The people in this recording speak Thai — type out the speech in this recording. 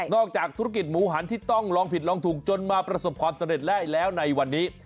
จากธุรกิจหมูหันที่ต้องลองผิดลองถูกจนมาประสบความสำเร็จได้แล้วในวันนี้